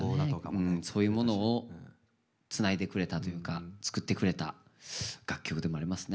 うんそういうものをつないでくれたというか作ってくれた楽曲でもありますね。